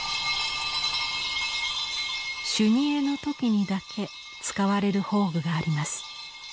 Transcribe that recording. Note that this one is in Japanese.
修二会の時にだけ使われる法具があります。